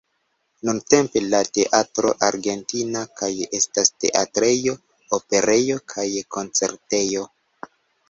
Nuntempe la Teatro Argentina kaj estas teatrejo, operejo kaj koncertejo.